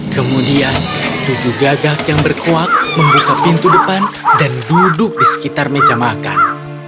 kemudian tujuh gagak yang berkuak membuka pintu depan dan duduk di sekitar meja makan